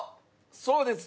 そうです。